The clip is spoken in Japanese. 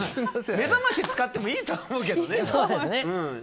目覚まし使ってもいいと思うけどね。